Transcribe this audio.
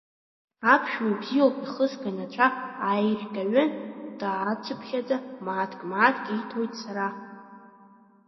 Аԥшәма ибзиоуп, ихысга нацәа ааиркьаҩын, даацыԥхьаӡа мааҭк-мааҭк ииҭоит сара.